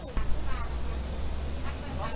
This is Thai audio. อุ๊ยรับทราบ